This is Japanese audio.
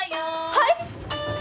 はい！？